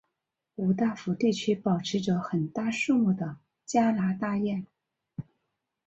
五大湖地区保持着很大数目的加拿大雁。